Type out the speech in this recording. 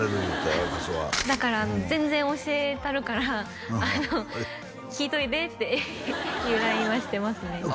赤楚はだから全然教えたるから聞いといでっていうＬＩＮＥはしてますね